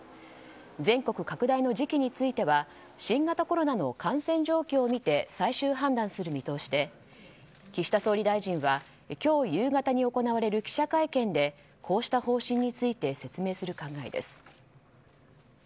全国拡大の時期については新型コロナの感染状況を見て最終判断する見通しで岸田総理大臣は今日、夕方に行われる記者会見でこうした方針について説明する考えです。